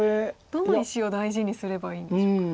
どの石を大事にすればいいんでしょうか。